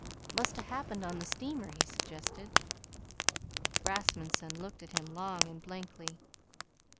"Must a happened on the steamer," he suggested. Rasmunsen looked at him long and blankly.